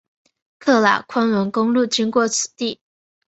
喀喇昆仑公路经过此地。